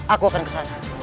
aku akan kesana